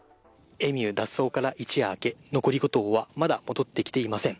エミュー脱走から一夜明け、残り５頭はまだ戻ってきていません。